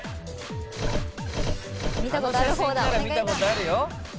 見たことある方だ